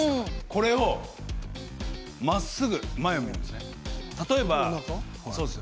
これを、まっすぐ前を見るんですね。